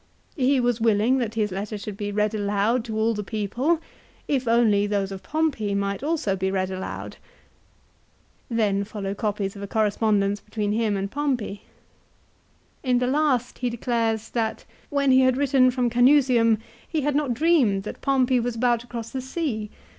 He was willing that his letter should be read aloud to all the people, if only those of Pompey might also be read aloud. Then follow copies of a correspondence between him and Pompey. In the last he declares 2 that "when he had written from Canusium he had not dreamed that Pompey was about to cross the sea.